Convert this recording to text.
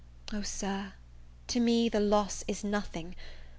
O Sir, to me the loss is nothing!